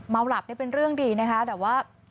หลับนี่เป็นเรื่องดีนะคะแต่ว่า